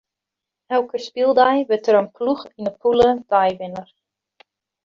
Elke spyldei wurdt in ploech yn de pûle deiwinner.